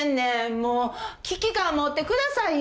もう危機感持ってくださいよ。